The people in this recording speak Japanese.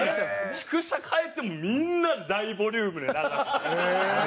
宿舎帰ってもみんな大ボリュームで流して。